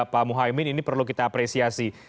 pak muhaymin ini perlu kita apresiasi